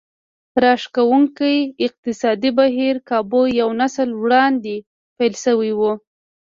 راښکوونکی اقتصادي بهير کابو یو نسل وړاندې پیل شوی و